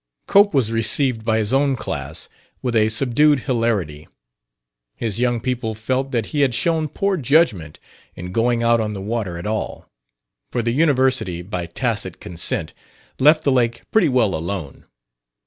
Cope was received by his own class with a subdued hilarity. His young people felt that he had shown poor judgment in going out on the water at all, for the University, by tacit consent, left the lake pretty well alone.